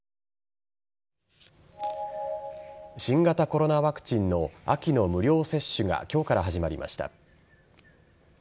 新型コロナワクチンの秋の無料接種が今日から始まりました。